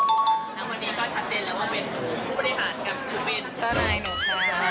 แล้ววันนี้ก็ชัดเจนแล้วว่าเป็นผู้บริหารกับคุณเบน